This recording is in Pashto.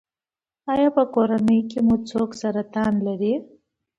ایا په کورنۍ کې مو څوک سرطان لري؟